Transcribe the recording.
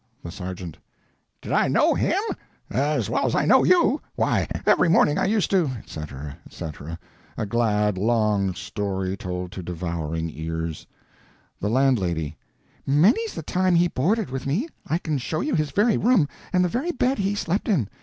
THE SERGEANT: "Did I know him? As well as I know you. Why, every morning I used to—" etc., etc.; a glad, long story, told to devouring ears. THE LANDLADY: "Many's the time he boarded with me. I can show you his very room, and the very bed he slept in.